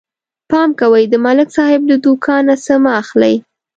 پام کوئ د ملک صاحب له دوکان نه څه مه اخلئ